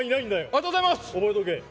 ありがとうございます。